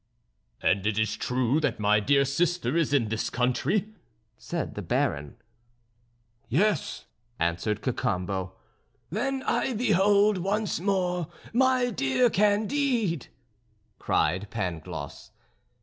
"And it is true that my dear sister is in this country?" said the Baron. "Yes," answered Cacambo. "Then I behold, once more, my dear Candide," cried Pangloss.